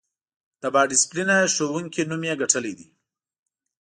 د با ډسیپلینه ښوونکی نوم یې ګټلی دی.